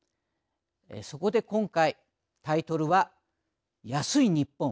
そこで今回タイトルは「安いニッポン！